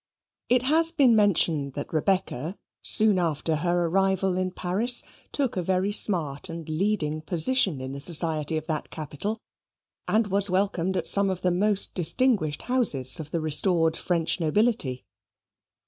It has been mentioned that Rebecca, soon after her arrival in Paris, took a very smart and leading position in the society of that capital, and was welcomed at some of the most distinguished houses of the restored French nobility.